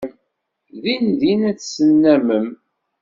Dindin ad t-tennammem.